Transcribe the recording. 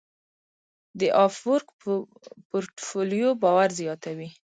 د افورک پورټفولیو باور زیاتوي.